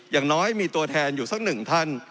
อย่างน้อยมีตัวแทนอยู่สักหนึ่งท่าน